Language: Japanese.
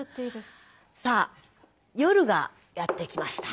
さあ夜がやってきました。